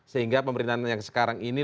sehingga pemerintahan yang sekarang ini